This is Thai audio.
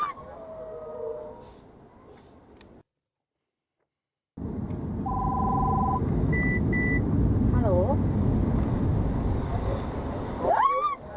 สวัสดีครับ